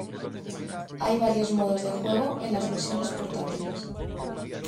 Hay varios modos de juego en las versiones portátiles.